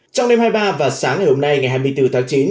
trong đêm hai mươi ba và sáng ngày hôm nay ngày hai mươi bốn tháng chín